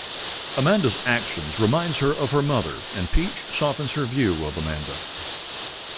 Amanda's actions reminds her of her mother and Peach softens her view of Amanda.